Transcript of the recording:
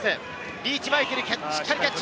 リーチ・マイケル、しっかりキャッチ。